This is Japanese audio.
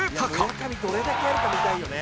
「いや村上どれだけやるか見たいよね」